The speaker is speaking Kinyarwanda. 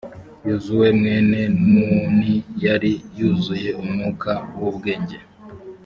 yozuwe mwene nuni yari yuzuye umwuka w’ubwenge,